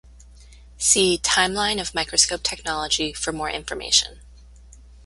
See Timeline of microscope technology for more information.